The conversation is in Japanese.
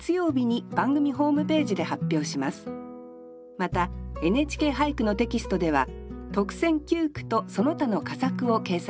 また「ＮＨＫ俳句」のテキストでは特選九句とその他の佳作を掲載します。